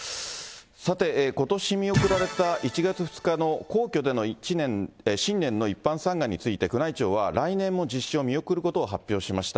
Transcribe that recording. さて、ことし見送られた１月２日の皇居での新年の一般参賀について、宮内庁は来年も実施を見送ることを発表しました。